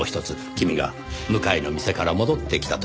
君が向かいの店から戻ってきた時。